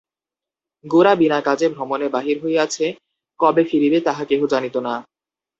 গোরা বিনা কাজে ভ্রমণে বাহির হইয়াছে, কবে ফিরিবে তাহা কেহ জানিত না।